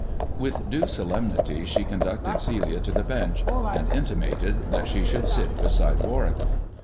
With due solemnity she conducted Celia to the bench, and intimated that she should sit beside Warwick.